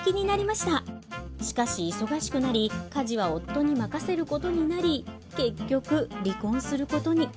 しかし忙しくなり家事は夫に任せることになり結局離婚することに。